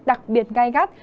đặc biệt ngay gắt